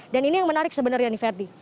dan ini yang menarik sebenarnya nih verdi